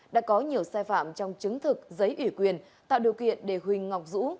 đã có nhiều sai phạm trong chứng thực giấy ủy quyền tạo điều kiện để huỳnh ngọc dũ